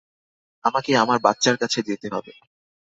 আমাকে আমার বাচ্চার কাছে যেতে হবে।